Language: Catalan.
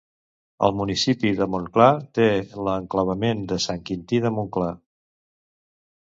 El municipi de Montclar té l'enclavament de Sant Quintí de Montclar.